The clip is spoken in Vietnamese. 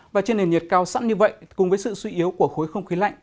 và trên nền nhiệt cao sẵn như vậy cùng với sự suy yếu của khối không khí lạnh